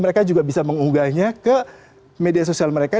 mereka juga bisa mengunggahnya ke media sosial mereka